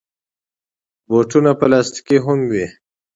بوټونه پلاستيکي هم وي.